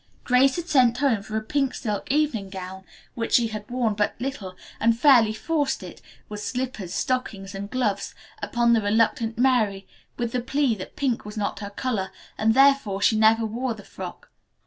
Grace had sent home for a pink silk evening gown, which she had worn but little, and fairly forced it, with slippers, stockings and gloves, upon the reluctant Mary, with the plea that pink was not her color and therefore she never wore the frock.